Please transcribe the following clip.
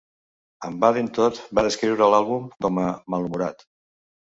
En Vaden Todd va descriure l'àlbum com a "malhumorat".